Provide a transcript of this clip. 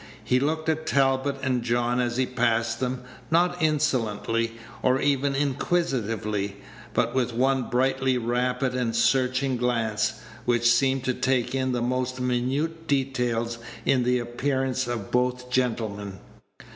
He looked at Talbot and John as he passed them, not insolently, or even inquisitively, but with one brightly rapid and searching glance, which seemed to take in the most minute details in the appearance of both gentlemen.